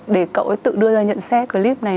để cậu ấy tự đưa ra nhận xét clip này